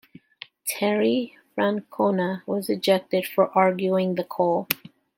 Terry Francona was ejected for arguing the call.